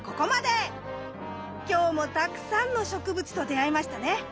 今日もたくさんの植物と出会えましたね。